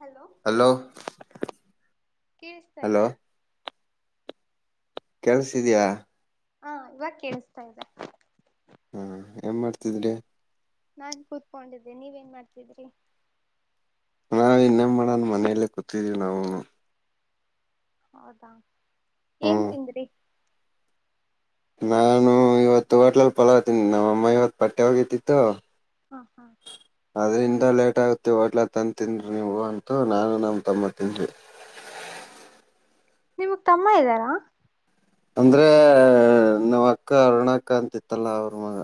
Hello ಕೇಳಸ್ತಾ hello ಇದ್ಯಾ ಕೆಲ್ಸಿದಯಾ ಹಾ ಇವಾಗ ಕೇೇಳಿಸತಾ ಇದೆ ಹಾ ಏನ್ ಮಾಡ್ತಿದ್ರಿ ನಾನ್ ಕುೂತ್ಕೊಂಡಿದ್ದೆ ನೀವ್ ನ್ ಮಾಡ್ತಿದ್ರಿ ನಾವ ಇನ್ನೇ ಮಾಡಣ ಮನೆಯಲ್ಲೇ ಕೂತಿದೀವಿ ನಾವುನು ಹೌದಾ ಏನ್ ಹ್ಮ್ ತಿಂದ್ರಿ ನಾನು ಇವತ್ತು ಹೋಟ್ಲಲ್ ಪಲಾವ್ತೀನಿ ನಮ್ಮಅಮ್ಮ ಇವತ್ ಪಟ್ಟೆ ಹೋಗತಿಿತ್ತು ಹ್ಮ ಹಾ ಅದ್ರಿಂದ ಲೇಟ್ ಆಗತಿೇವಿ ಹೋಟ್ಲ ತಂತನ್ಿ ನೀವು ಅಂತೂ ನಾನು ನಮ ತಮ್ಮ ತನ್ಿ ನಿಮಗ್ ತಮ್ಮ ಇದ್ದಾರಾ ಅಂದ್ರೆ ನಮ್ಮ್ ಅಕ್ಕ ಅರುಣಾಕ ಅಂತ ಇತ್ತಲ್ಲ ಅವ್ರ ಮಗ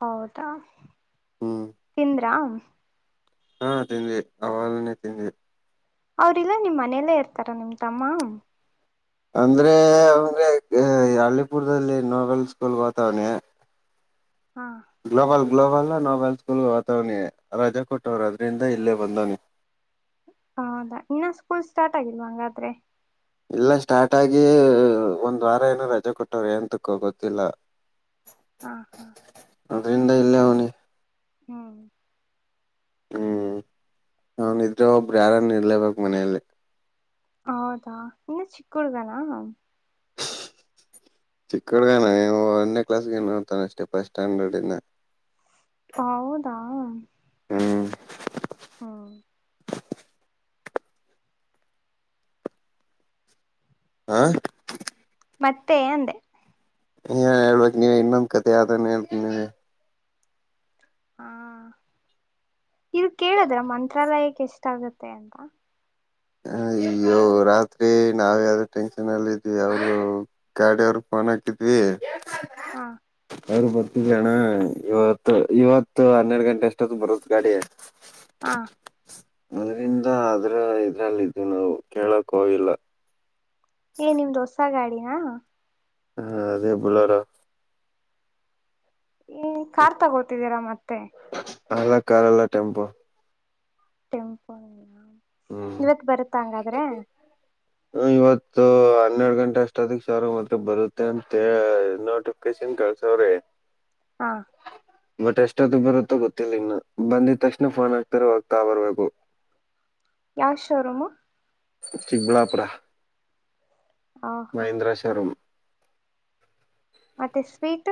ಹೌದಾ ಹ್ಮ್ ತಿಿಂದ [unintelligible] ರಾಮ ಹಾ ತಿಂಡ ಅವವಾಲನೆ ತಿಿ ಅವ್ರಲ್ಲ ನಿಮ್ ಮನೆಯಲ್ಲೇ ಇರ್ತಾರ ನಿಮ ತಮ್ಮ ಅಂದ್ರೆ ಅಂದ್ರೆ ಅಳ್ಳಿಪುರ್ದಲ್ಲಿ ನೋವೆಲ್ ಸ್ಕೂಲ್ ವಾತಾವರಣೆ ಹಾ ಗ್ಲೋಬಲ್ ಗ್ಲೋಬಲ್ ನೋಬೆಲ್ ಸ್ಕೂಲ್ ವಾತವನಿ ರಜಾ ಕೊಟ್ಟವರು ಅದರಿಂದ ಇಲ್ಲೇ ಬಂದವನಿ ಹೌದಾ ಇನ್ನ ಸ್ಕೂಲ್ ಸ್ಟಾರ್ಟ್ ಆಗಿಲ್ವಾ ಹಂಗಾದ್ರೆ ಇಲ್ಲ ಸ್ಟಾರ್ಟ್ ಆಗಿ ಒಂದ್ ವಾರ ಏನೋ ರಜೆ ಕೊಟ್ಟವ್ರ ಏನ್ಂತಕ್ಕ ಗೊತ್ತಿಲ್ಲ ಹ ಹಾ ಅದರಿಂದ ಇಲ್ಲ ಅವನ ಹ್ಮ್ ಹ್ಮ್ ಅವನ್ಿದ್ರೆ ಒಬ್ರು ಯಾರನ್ನ ಇರ್ಲೇಬೇಕಕ್ ಮನೆಯಲ್ಲಿ ಹೌದಾ ಇನ್ನು ಚಿಕ್ಕ ಹುಡುಗನಾ ಚಿಕ್ಕ ಹುಗನ ನೀವು ಒಂದನೇ ಕ್ಲಾಸ್ಗೆ ನೋಡ್ತಾನ ಅಷ್ಟೆ ಫಸ್ಟ್ ಸ್ಟ್ಯಾಂಡರ್ಡ್ ಇಂದ ಹೌದಾ ಹ್ಮ್ ಹ್ಮ ಆ ಮತ್ತೆ ಅಂದೆ ಹಏ ಹೇಳ್ಬೇಕೇಕ್ ನೀವ ಇನ್ನೊಂದ್ ಕತೆ ಆದಾನ ಹೇಳ್ತಿ ನೀಗೆ ಹಾ ಇದು ಕೇಳಿದ್ರೆ ಮಂತ್ರಾಲಯಕ್ಕೆ ಎಷ್ಟಾಗುತ್ತೆ ಅಂತ ಹ ಅಯ್ಯೋ ರಾತ್ರಿ ನಾವ ಯಾವ್ದ ಟೆನ್ಷನ್ ಅಲ್ಲ ಇದ್ವಿ ಅವರು ಗಾಡಿಯ ಅವ್ರ ಫೋನ್ ಹಾಕಿದ್ವಿ ಹಾ ಅವ್ರು ಬರ್ತಿದ್ದ ಜಣ ಇವತ್ತು ಇವತ್ತು ಹನ್ನೆರಡು ಗಂಟೆ ಅಷ್ಟೊತ್ತು ಬರುದ ಗಾಡಿ ಹಾ ಅದ್ರಂದ ಅದ್ರ ಇದಲ್ಲಿ ಇದು ನಾವು ಕೇಳಕ್ ಹೋೋಗಿಲ್ಲ ಹಾ ಹ್ಮ ಅದೇ ಬಳ್ಳಾರ ಈ ಕಾರ್ ತಗೋತಿದ್ದೀರಾ ಮತ್ತೆ ಂತೆ ಕರಳ ಟೆಂಪೋ ಟೆಂಪಲ್ ಹ್ಮ್ ಇವತ್ ಬರುತ್ತಾ ಹಂಗಾದ್ರೆ ಆ, ಇವತ್ತು ಹನ್ನೆರಡು ಗಂಟೆ ಅಷ್ಟ ಅದಕ್ ಸಾವರ ಮಾತ್ರ ಬರುತ್ತೆ ಅಂತ ನೋಟಿಫಿಕೇಶನ್ ಕಳ್ಸವ್ರಿ ಹಾ ಬಟ್ ಎಷ್ಟತ್ತು ಬರುತ್ತೋ ಗೊತ್ತಿಲ್ಲ ಇನ್ನ ಬಂದಿದ ತಕ್ಷಣ ಫೋನ್ ಹಾಕ್ತಾರ ಹೋಗ್ತಾ ಬರ್ಬೇಕು ಯಾವ ಶೋರೂಮ ಚಿಕ್ಕಬಳಾಪಡಾ ಹ ಹಾ ಮಹೀಂದ್ರಶರಂ ಮತ್ತೆ ಸ್ವೀಟ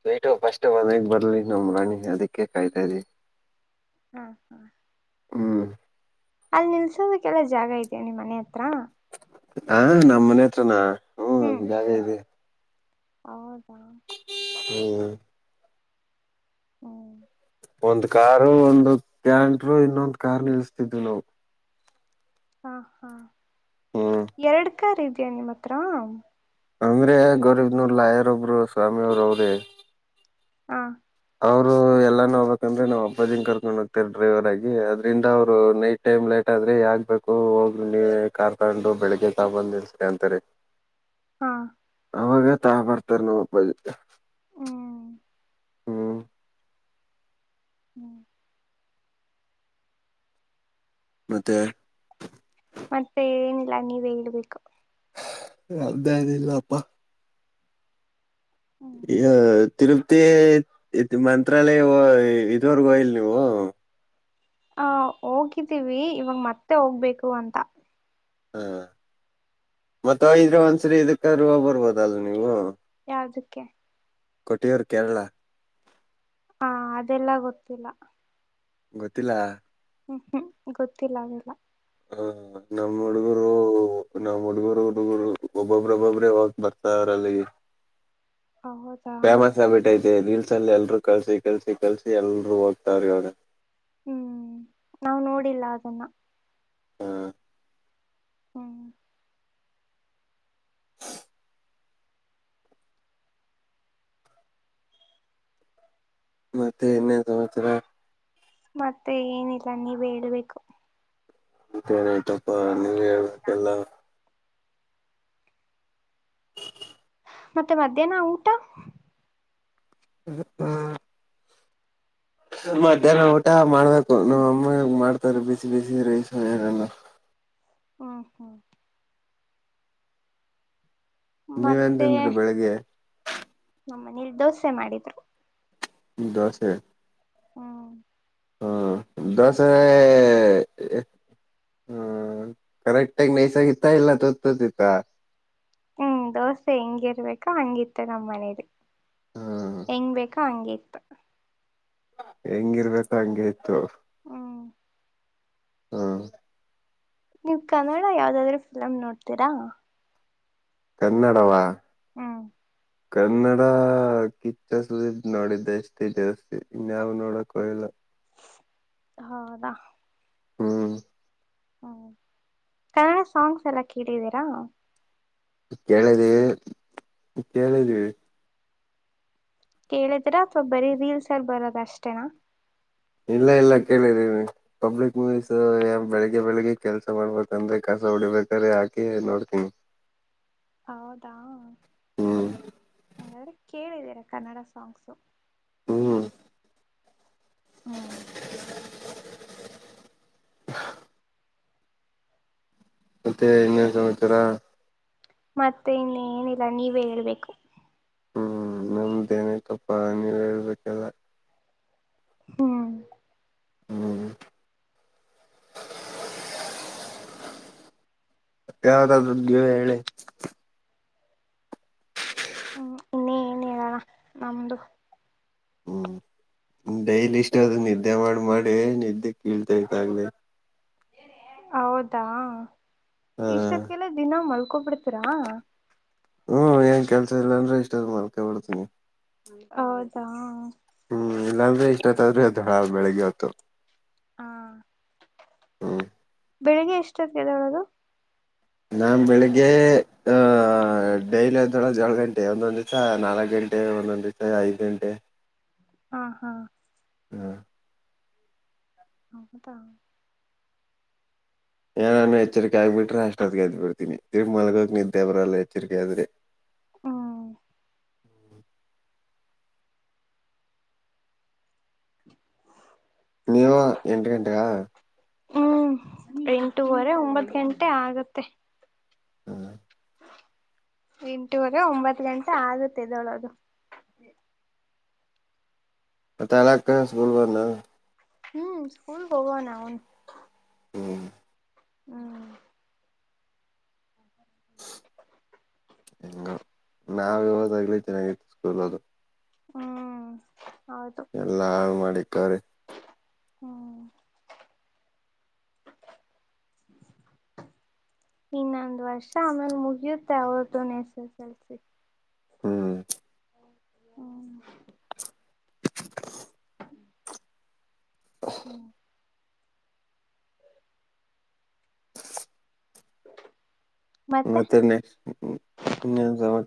ಸ್ೀಟು ಫಸ್ಟ್ ಒಂದಗ್ ಬರ್ಲಿ ನಮ್ಮ ರಾಣಿ ಅದಕ್ಕೆ ಕಾಯ್ತಾ ಇದಿ ಹ್ಮ ಹಾ ಹ್ಮ್ ಅಲ್ ನಿಲ್ಸೋದಕ್ಕೆಲ್ಲ ಜಾಗ ಇದ ನಿ್ ಮನೆ ಹತ್ರ ಹಾ ನಮ್ ಮನೆ ಹತ್ರನಾ ಹ್ಮ್ ಇದಾಗ ಇದೆ ಹೌದ ಹ್ಮ್ ಹ್ಮ ಒಂದ್ ಕಾರು ಒಂದು ಕ್ಯಾಂಟರು ಇನ್ನೊಂದ ಕಾರ್ ನಿಲ್ಸ್ತಿದ್ವು ನಾವು ಹಾ ಹಾ ಹ್ಮ್ ಎರಡು ಕಾರ್ ಇದ್ಯಾ ನಿಮ್ಮ್ ಹತ್ರ ಅಂಗ್ರೆ ಗೌರೀಬ್ನಲ್ಲ ಯಾರೊಬ್ರು ಸ್ವಾಮಿ ಅವರು ಅವ್ರೇ ಹಾ ಅವರು ಎಲ್ಲ ನೋ ಹ್ಬೇಕಂದ್ರೆ ನಾವು ಹಬ್ಬದಿಿಂದ ಕರ್ಕೊಂಡು ಹೋಗ್ತೀವಿ ಡ್ರೈವರಗಿ ಅದರಿಂದ ಅವರು ನೈಟ್ ಟೈಮ್ ಲೇಟ್ ಆದ್ರರೆ ಯಾಕಬೇಕೇಕು ಹೋಗ್ ನೀ ಕಾರ್ ತಂಡು ಬೆಳಿಗ್ಗೆ ತಾಬಂದು ನಿಲ್ ಅಂತಾರೆೀ ಹಾ ಅವಾಗ ತಾ ಬರ್ತಾರ ನಾ ಬ ಹ ಹ್ಮ್ ಮತ್ತೆ ಮತ್ತೆ ಏನಿಲ್ಲ ನೀವೇ ಹೇಳ್ಬೇಕು ಅ್ದಾಯನಲ್ಲ ಅಪ್ಪ ಹ್ಮ್ ಈ ತಿರುಪತಿ ಮಂತ್ರಾಲಯ ಇದುವರ್ಗೋಯಿಲ್ ನೀವು ಹ ಹೋಗಿದ್ದೀವಿ ಇವಾಗ ಮತ್ತೆ ಹೋಗ್ಬೇಕು ಅಂತ ಹಾ ಮತ್ತ ಇದ್ರೆ ಒಂದ್ಸರಿ ಇದಕ್ಕೆ ರೂ ಬರ್ಬೋದಲ್ ನೀವು ರಾಜಕ್ಕೆ ಕೊಟಿಯೂರು ಕೇರಳ ಹಾ ಅದೆಲ್ಲ ಗೊತ್ತಿಲ್ಲ ಗೊತ್ತಿಲ್ಲ ಹ್ಮ್ ಹ್ಮ್ ಗೊತ್ತಿಲ್ಲ ಅವೆಲ್ಲ ಹ ನಮ್ಮ್ ಹುಡುಗರು ನಮ್ಮ್ ಹುಡುಗರು ಹುಡುಗರು ಒಬ್ಬೊಬ್ರ ಒಬ್ಬೊಬ್ರೇ ಹಕ್ ಬರ್ತ ಅವ್ರಲ್ಲಿ ಹೌದಾ ಫೇಮಸ್ ಆಗ್ಬಿಟ್ಟೈತೆ ನಿಲ್ ಮಸಲ್ಲಿ ಎಲ್ರುೂ ಕಲ್ಸಿ ಕಲ್ಸಿ ಕಲ್ಸಿ ಎಲ್ರು ಹೋಗ್ತಾರ ಇವಾಗ ಹ್ಮ್, ನಾವ್ ನೋಡಿಲ್ಲ, ಅದನ್ನ. [inaudible] ಹಾ.. [inaudible] ಹ್ಮ.. [inaudible] [inaudible] [unintelligible] ಮತ್ತೆ, ಇನ್ನೇನು, ಸಮಾಚಾರ. [inaudible] ಮತ್ತೆ, ಏನಿಲ್ಲ! ನೀವೇ, ಹೇಳ್ಬೇಕು. [inaudible] ಮಾತ್ಹೆಎನುಯ್ತುಪ್ಪ. [inaudible] ನೀವೇ, ಹೇಳಬೇಕು, ಹೇಳಾ. [inaudible] ಮತ್ತೆ, ಮಧ್ಯಾಹ್ನ ಊಟ. [inaudible] ಹೇಳಪ್ಪಾ.. [inaudible] ಮಧ್ಯಾಹ್ನ, ಊಟ ಮಾಡ್ಬೇಕು! ನಮ್ಮ್ ಅಮ್ಮ ಮಾಡ್ತಾರೆ, ಬಿಸಿ, ಬಿಸಿ, ರೈಸ್, ಏನೆಲ್ಲ. [inaudible] ಹ್ಮ, ಹ್ಮ್ಮ್. [inaudible] ನೀವುಟೆನುಥಿಂಡ್ರಿ, ಬೆಳಿಗ್ಗೆ? [inaudible] ನಾಮುಮನೇಲಿ, ದೋಸೆ ಮಾಡಿದ್ರು. [inaudible] ದೋಸೆ. [inaudible] ಹ್ಮ... [inaudible] ಹ್ಮ, ದೋಸೆ, ಈ, ಹ್ಮ್, ಕರೆಕ್ಟಾಗಿ ನೈಸ್ ಆಗಿತ್ತಾ ಇಲ್ಲ, ತೂತುಇಥ. [inaudible] ಹ್ಮ್, ದೋಸೆ, ಹೆಂಗಿರಬೇಕು, ಹಂಗಿತ್ತು, ನಮ್ಮ್ ಮನಲಿ. ಹ್ಮ್ [inaudible] ಹೆಂಗ್, ಬೇಕು, ಹಂಗೆ. [inaudible] ಊಟ? [inaudible] ಹೆಂಗಿರ್ಬೇಕು, ಹಂಗೆ ಇತ್ತು. [inaudible] ಹ್ಮ್ ಹಾ.. [inaudible] ನೀವ್, ಕನ್ನಡ ಯಾವ್ದಾದ್ರರು, ಫಿಲಮ್ ನೋಡ್ತೀರಾ? [inaudible] ಕನ್ನಡವಾ. [inaudible] ಹ್ಮ್.. [inaudible] ಕನ್ನಡ, ಕಿಚ್ಚ, ಸುದೀಪ್, ನೋಡಿದೇ, ಅಷ್ಟೇ, ಜಾಸ್ತಿ, ಇನ್ಯಾವು, ನೋಡಕ್ ಹೋಗಿಲ್ಲ. [inaudible] ಹೌದಾ. [unintelligible] ಹ್ಮ್... [inaudible] ಹಾ, ಕನ್ನಡ, ಸಾಂಗ್ಸ್, ಎಲ್ಲ ಕೇಳಿದೀರಾ? [inaudible] ಕೇಳಿದ್ದೇವಿ, ಕೇಳಿದ್ದೇವಿ. [inaudible] ಕೇಳಿದ್ರ, ಅಥವಾ, ಬರೀ ರೀಲ್ಸ್ರ್ ಬರದ, ಅಷ್ಟೇನಾ? [inaudible] ಇಲ್ಲ, ಇಲ್ಲ, ಕೇಳಿದೀನಿ, ಪಬ್ಲಿಕ್ ಮೂವೀಸ್ ಬೆಳಿಗ್ಗೆ! ಬೆಳಿಗ್ಗೆ, ಕೆಲ್ಸ ಮಾಡ್ಬೇಕಂದ್ರೆ? ಕಸ ಹೊಡಿಬೇಕಾರೆೆ, ಹಾಕಿ ನೋಡ್ತೀನಿ. [inaudible] ಹೌದಾ.. ಹ್ಮ್ [inaudible] ಹಾಗಾದ್ರೆ, ಕೇಳಿದೀರ, ಕನ್ನಡ ಸಾಂಗ್ಸು. [inaudible] ಹ್ಮ್.. [inaudible] ಹಾ.. [inaudible] ಮತ್ತೆ, ಇನ್ನೇನ್ ಸಮಾಚಾರ? [inaudible] ಮತ್ತೆ, ಇನ್ನು, ಏನಿಲ್ಲ ನೀವೇ ಹೇಳ್ಬೇಕು? [inaudible] ಹ್ಮ್, ನಮ್ದ್ ಏನಾಯ್ತುಪಾ, ನೀವೇ, ಹೇಳ್ಬೇಕೆಲ್ಲ.. [inaudible] ಹ್ಮ್.. [inaudible] ಹ್ಮ್, ಯಾವುದಾದು, ನೀವೇ ಹೇಳಿ? [inaudible] ಹ್ಮ್, ನೀನೆಹೇಳು, ನಾಮಧು. [inaudible] ಹ್ಮ್... [inaudible] ಡೈಲಿ, ಇಷ್ಟು, ಅದೇ, ನೀನು. [inaudible] ನಿದ್ದೆ, ಮಾಡಿ, ಮಾಡಿ, ನಿದ್ದೆ ಕೇಳ್ತಾ ಇದೆ ಅಂಗೆ? [inaudible] ಹೌದಾ ಹಾ ಈ ಸ ಕೆಲ್ಲ ದಿನ ಮಲ್ ಕಪಿತರಾ ಹ್ಮ್ ಏನ್ ಕೆಲ್ಸ ಇಲ್ಲಾಂದ್ರೆ ಇಷ್ಟ ಅ ಮಕ ಬಿಡ್ತೀನಿ ಹೌದಾ ಹ್ಮ್ ಇಲ್ಲಾಂದ್ರೆ ಇಷ್ಟಲತ್ತ ಆದ್ರೆ ದಳ ಬೆಳಗ್ಗೆ ಆತ್ತುು ಹಾ ಬೆಳಿಗ್ಗೆ ಎಷ್ಟತ್ದೆೋಡದು ನಾನ ಬೆಳಿಗ್ಗೆ ಡೈಲಿ ಆದ ದೊಳ ಏಳು ಗಂಟೆ ಒಂದೊಂದು ದಿವ್ಸ ನಾಲ್ಕು ಗಂಟೆ ಒಂದೊಂದು ದಿವ್ಸ ಐದು ಗಂಟೆ ಹಾ ಹಾ ಹಾ ಹೌದಾ ಏನಾನು ಎಚ್ಚರಿಕೆ ಆಗ್ಬಿಟ್ರೆ ಅಷ್ಟೊತ್ಗೆದ್ಬಿಡ್ತೀನಿ ತಿ ಮಲಗೋಗ ನಿದ್ದೆವ್ರಲ್ಲ ಎಚ್ಚರಿಕೆ ಆದ್ರೆ ಹ್ಮ ನೀ ಎಂಟ ಗಂಟಗಾ ಹ್ಮ್ ಎಂಟುವರೆ ಒಂಬತ್ ಗಂಟೆ ಆಗತ್ತೆ ಹ್ಮ್ ಎಂಟುವರೆ ಒಂಬತ್ ಗಂಟೆ ಆಗುತ್ತೆದೊಳದು ಪತ್ತಲಕ್ಕ ಸ್ಕೂಲ್ ಬ ಹ್ಮ್ ಸ್ಕೂಲ್ ಹೋಗಾನ ಅವನು ಹ್ಮ್ ಹ್ಮ್ ಹೆಂಗ ನಾವ ಯಾವದಾಗ್ಲಿ ಚೆನ್ನಾಗಿತ್ತು ಸ್ಕೂಲ್ ಅದು ಹ್ಮ್ ಹೌದು ಎಲ್ಲಾ ಹಾಳ್ು ಮಾಡಿ ಕಾರ ಹ್ಮ್ ಇನ್ನೊಂದ್ ವರ್ಷ ಆಮೇಲೆ ಮುಗಿಯುತ್ತೆ ಅವತ್ತುುನ್ ಎಸ್ ಎಸ್ ಎಲ್ಸ ಹ್ಮ್ ಹ್ಮ ಹ್ಮ್ ಮತ್ತೆ ಮತ್ತೆನ್ನ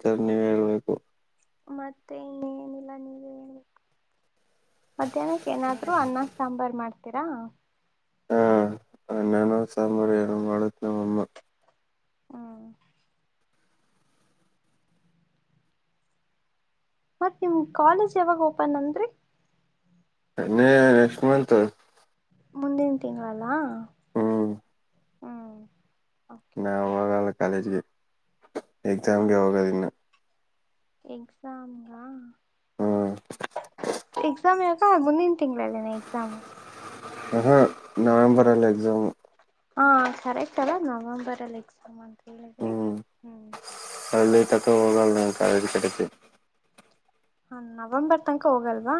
ಸರ್ ನೀವ ಹೇಳ್ಬೇಕು ಮತ್ತೆ ಏನಿಲ್ಲ ನೀವ ಮಧ್ಯಾಹ್ನಕ್ಕೆ ಏನಾದ್ರು ಅನ್ನ ಸಾಂಬಾರ್ ಮಾಡ್ತೀರಾ ಹಾ ನಾನು ಸಾಂಬಾರ ಮಾಡತ್ ನಮ್ಮ ಅಮ್ಮ ಮತ್ ನಿಮ್ ಕಾಲೇಜ್ ಯಾವಾಗ ಓಪನ್ ಅಂದ್ರರಿ ಅನ್ನೆ ನೆಕ್ಸ್ಟ್ ಮಂತ್ ಮುಂದಿನ ತಿಂಲ್ಲಾ ಹ್ಮ್ ಓಕೆ ನಾವವಾಗ ಕಾಲೇಜ್ಗೆ ಎಕ್ಸಾಮಗೆವಗದಿನ ಎಕ್ಸಾಮಂಗಾ ಹ್ಮ ಎಕ್ಸಾಮ ಯಾಕಾ ಮುಂದಿನ ತಿಂಲ್ಲನ ಎಕ್ಸಾಮ್ ಹ ನವೆಂಬರ್ ಅಲ್ಲಿ ಎಕ್ಸಾಮ್ ಹಾ ಸರಿತ ಅಲ್ಲ ನವೆಂಬರ್ ಅಲ್ಲಿ ಎಕ್ಸಾಮ್ ಅಂತ ಏನಂದ್ರಿ ತೋಗ ನ ಕ ಅದು ಕಡುತ್ತ ಹ ನವೆಂಬರ್ ತನಕ ಹೋಗಲ್ವಾ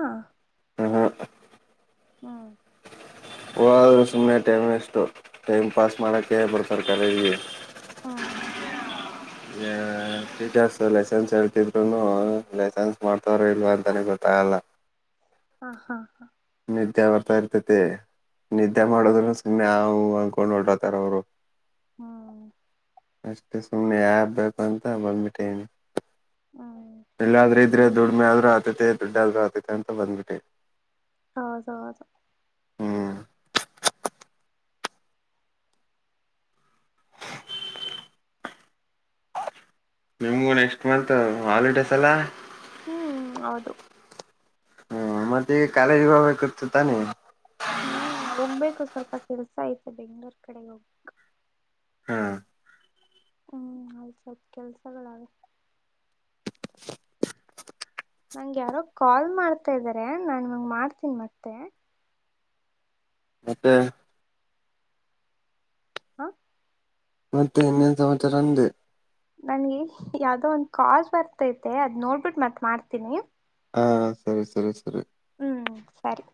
ಹಹು ಹ್ಮ್ ಹೋದ್ರೆ ಸುಮ್ನೆ ಟೈಮ್ ವೇಸ್ಟು ಟೈಮ್ ಪಾಸ ಮಾಡಕ್ಕೆ ಬರ್ತ ಕ ಹ್ಮ್ ಟೀಚರ್ಸ್ ಲೈಸೆನ್ಸ್ ಹೇಳ್ತಿದ್ರು ಲೈಸೆನ್ಸ್ ಮಾಡ್ತಾರ ಇಲ್ವಾ ಅಂತನ ಗೊತ್ತಾಗಲ್ಲ ಹಾ ಹಾ ಹಾ ನಿದ್ಯ ಬರ್ತಾ ಇರ್ತತೆ ನಿಿದಾ ಹ್ಮ್ ಮಾಡೋದರ ಸಮ ಅಂದ್ಕೊಂಡ್ ಹೊಓಡತಾರ ಅವ್ರು ಹ್ಮ್ ಅಷ್ಟೇ ಸುಮ್ನೆ ಯಾಗ್ ಬೇಕು ಅಂತ ಬಂದ್ಬಿಟ್ಟೆ ನಿ ಹ್ಮ್ ಇಲ್ಲಾದ್ರೆ ಇದ್ರೆ ದುಡಿಮೆ ಆದ್ರೂ ಆತೈತೆ ದುಡ್ಡ ಆದ್ೂ ಆತೈತೆ ಅಂತ ಬಂದ್ಬಿಟ್ಟೆ ಆೌದು ಆದು ಹ್ಮ್ ನಿಮಗೂ ನೆಕ್ಸ್ಟ್ ಮಂತ್ ಹಾಲಿಡೇಸ್ ಅಲ್ಲ ಹ್ಮ್ ಹೌದು ಹ್ಮ ಮತ್ತೆ ಈ ಕಾಲೇಜಿ ಭ ಕೊತ ತಾನೆ ಹ್ಮ್ ಹೋಗ್ಬೇಕು ಸ್ವಲ್ಪ ಕೆಲ್ಸ ಐತೆ ಬೆಂಗಳೂರ್ ಕಡೆಗೆ ಹೋಗಕ್ ಹ್ಮ ಹ್ಮ್ ಅಲ್ಲಿ ಸ್ವಲ್ಪ ಕೆಲ್ಸಗಳಾಗೆ ನಂಗ ಯಾರೋ ಕಾಲ್ ಮಾಡ್ತಾ ಇದಾರೆ ನಾನ್ ಮಂಗ ಮಾಡ್ತೀನಿ ಮತ್ತೆ ಮತ್ತೆ ಹಾ ಮತ್ತೆ ಇನ್ನೇನ್ ಸಮಾಚಾರ ಅಂದೆ ನನ್ಗೆ ಯಾವ್ದೋ ಒಂದ್ ಕಾಸ್ ಬರ್ತೈತೆ ಅದ್ ನೋಡ್ಬಿಟ್ಟು ಮತ್ ಮಾಡ್ತೀನಿ ಹಾ ಸರಿ ಸರಿ ಸರಿ ಹ್ಮ್ ಸರಿ